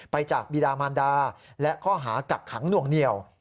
จากบีดามันดาและข้อหากักขังหน่วงเหนียว